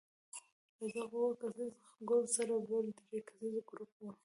له دغو اووه کسیز ګروپ سره بل درې کسیز ګروپ وو.